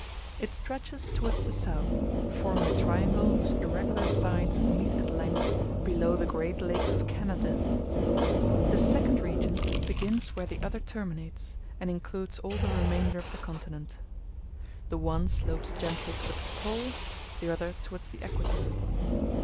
It stretches towards the south, forming a triangle whose irregular sides meet at length below the great lakes of Canada. The second region begins where the other terminates, and includes all the remainder of the continent. The one slopes gently towards the Pole, the other towards the Equator.